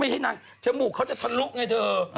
ไม่ใช่นางชมูกเขาจะทะลุไงเธอ